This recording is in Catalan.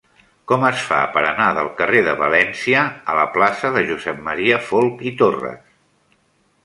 Com es fa per anar del carrer de València a la plaça de Josep M. Folch i Torres?